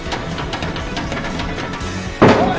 おい！